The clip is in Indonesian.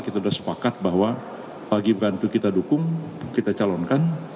kita sudah sepakat bahwa pak gibran itu kita dukung kita calonkan